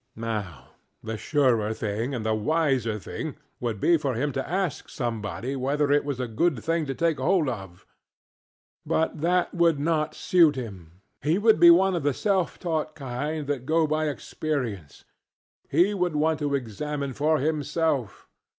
Now the surer thing and the wiser thing would be for him to ask somebody whether it was a good thing to take hold of. But that would not suit him; he would be one of the self taught kind that go by experience; he would want to examine for himself.